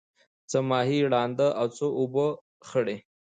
څه ماهی ړانده او څه اوبه خړی.